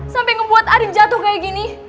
sampai ngebuat arin jatuh kayak gini